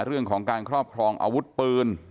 เรื่องของการครอบครองอาวุธปืน